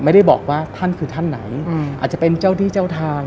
ไม่ได้บอกว่าท่านคือท่านไหนอาจจะเป็นเจ้าที่เจ้าทาง